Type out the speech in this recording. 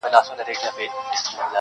نه مالونه به خوندي وي د خانانو-